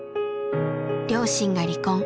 両親が離婚。